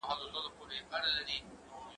کېدای سي تکړښت ستونزي ولري!؟